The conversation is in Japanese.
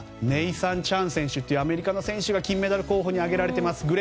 ネイサン・チェン選手というアメリカの選手が金メダル候補に挙げられています。